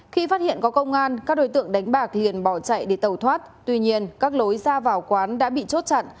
khi phát hiện có công an các đối tượng đánh bạc hiền bỏ chạy để tàu thoát tuy nhiên các lối ra vào quán đã bị chốt chặn